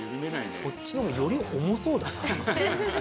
こっちのがより重そうだな。